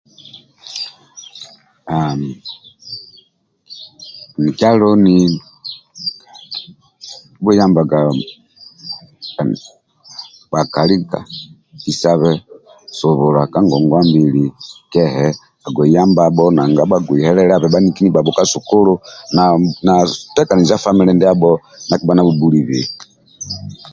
Haaa mikia loni akibhuyambaga bhakali bikisabe subula ka ngongwa mbili kehe agbei yambabho nanga bhagbei helelela bhaniki ka sukulu na tekaniza faimile ndiabho ndia akibha nabhubhulibei